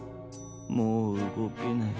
もううごけない。